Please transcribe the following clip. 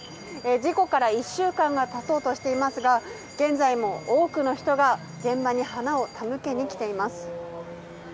事故から１週間が経とうとしていますが現在も多くの人が現場に花を手向けに来ています。